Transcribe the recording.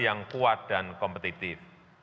yang kuat dan kompetitif